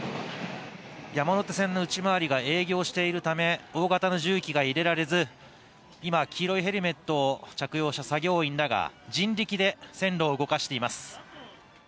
山手線の内回りが営業しているため大型の重機が入れられず今、黄色いヘルメットを着用した作業員らが人力で線路を動かしています。